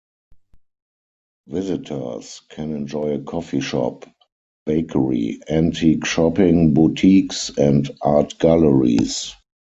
Visitors can enjoy a coffee shop, bakery, antique shopping, boutiques, and art galleries.